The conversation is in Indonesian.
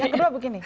yang kedua begini